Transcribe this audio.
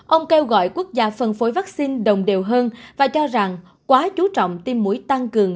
ông kêu gọi quốc gia phân phối vaccine đồng đều hơn và cho rằng quá chú trọng tiêm mũi tăng cường